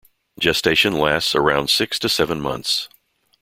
Gestation lasts around six to seven months.